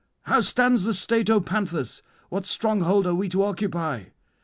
"How stands the state, O Panthus? what stronghold are we to occupy?"